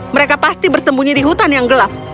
mereka pasti bersembunyi di hutan yang gelap